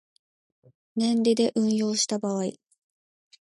年利で運用した場合